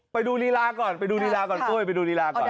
ไปดูลีลาก่อนไปดูลีลาก่อนปุ้ยไปดูลีลาก่อน